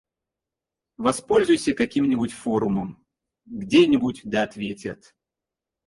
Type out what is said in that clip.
Воспользуйся каким-нибудь форумом. Где-нибудь, да ответят.